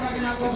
itu itu itu